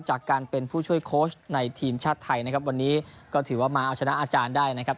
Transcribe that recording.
จากการเป็นผู้ช่วยโค้ชในทีมชาติไทยนะครับวันนี้ก็ถือว่ามาเอาชนะอาจารย์ได้นะครับ